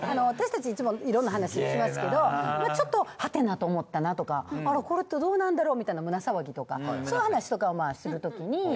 私たちいつもいろんな話しますけどちょっとハテナと思ったなとかあらこれってどうなんだろう？みたいな胸騒ぎとかそういう話とかをしてるときに。